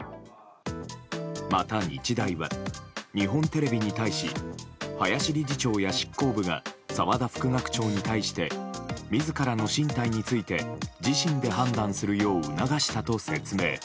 また、日大は日本テレビに対し林理事長や執行部が澤田副学長に対して自らの進退について自身で判断するよう促したと説明。